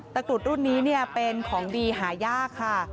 กรุดรุ่นนี้เป็นของดีหายากค่ะ